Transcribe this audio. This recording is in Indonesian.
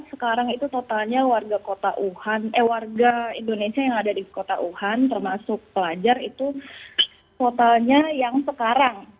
sekarang itu totalnya warga indonesia yang ada di kota wuhan termasuk pelajar itu totalnya yang sekarang